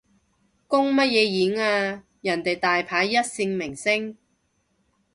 公乜嘢演啊，人哋大牌一線明星